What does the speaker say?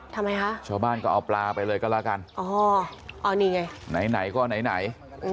ทำไมคะชาวบ้านก็เอาปลาไปเลยก็แล้วกันอ๋ออ๋อนี่ไงไหนไหนก็ไหนไหน